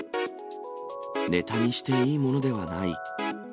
ネタにしていいものではない。